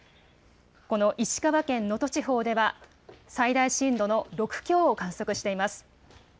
この石川県能登地方では最大震度の６強を観測しています。